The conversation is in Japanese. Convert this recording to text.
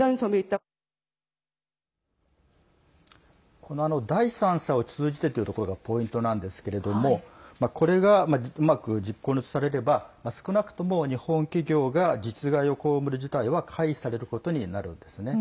この、第三者を通じてというところがポイントなんですけれどもこれがうまく実行に移されれば少なくとも日本企業が実害を被る事態は回避されることになるんですね。